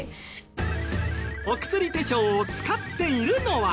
お薬手帳を使っているのは。